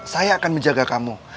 saya akan menjaga kamu